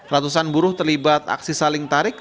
ratusan buruh terlibat aksi saling tarik